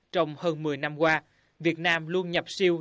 trong hơn một mươi năm qua việt nam luôn nhập siêu